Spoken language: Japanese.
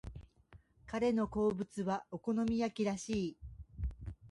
彼の好物はお好み焼きらしい。